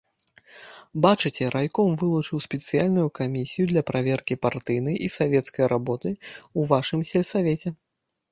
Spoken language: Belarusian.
Бачыце, райком вылучыў спецыяльную камісію для праверкі партыйнай і савецкай работы ў вашым сельсавеце.